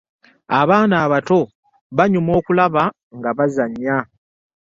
abaana abato banyuma okulaba nga bazannya.